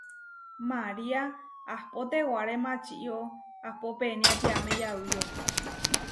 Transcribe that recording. María ahpó tewaré mačió ahpó peniátiame yauyó.